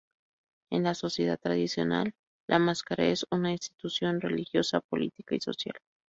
En la sociedad tradicional, la máscara es una institución religiosa, política y social.